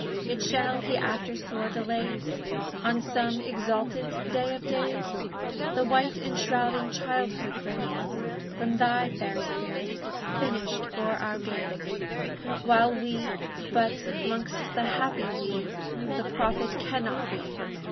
Yet shall he after sore delays On some exultant day of days The white enshrouding childhood raise From thy fair spirit, finished for our gaze; While we (but 'mongst that happy "we" The prophet cannot be!)